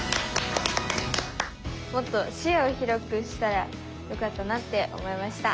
もっと視野を広くしたらよかったなって思いました。